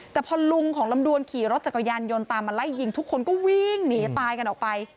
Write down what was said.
แต่พอลุงของลำดวนขี่รถจักรยานยนต์ตามมาไล่ยิงทุกคนก็วิ่งหนีตายกันออกไป